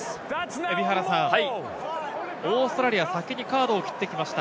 蛯原さん、オーストラリア、先にカードを切ってきました。